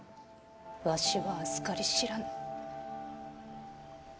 わしは、あずかり知らぬ。